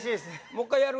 もう一回やる？